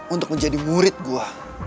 untuk menjadi murid gue